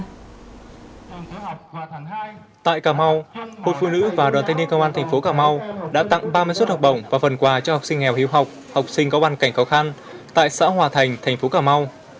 tại cà mau hội phụ nữ và đoàn thanh niên công an thành phố cà mau đã tặng ba mươi suất học bổng và phần quà cho học sinh nghèo hiếu học học sinh có hoàn cảnh khó khăn tại xã hòa thành thành phố cà mau